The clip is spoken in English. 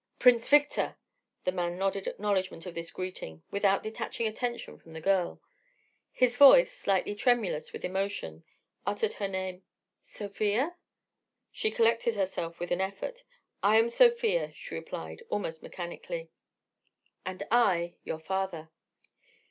"Prince Victor!" The man nodded acknowledgment of this greeting without detaching attention from the girl. His voice, slightly tremulous with emotion, uttered her name: "Sofia?" She collected herself with an effort. "I am Sofia," she replied almost mechanically. "And I, your father..."